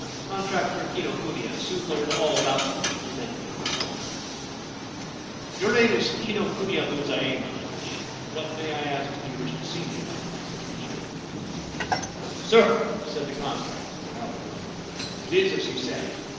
Contractor Kinokuniya soon learned all about the man, and then went to call. 'Your name is Kinokuniya Bunzaemon, I believe. What, may I ask, do you wish to see me about ?' said Fujieda. ' Sir,' said the contractor, bowing low, ' it is as you say.